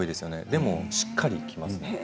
でもしっかりしますね。